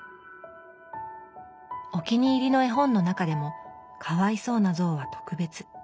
お気に入りの絵本の中でも「かわいそうなぞう」は特別。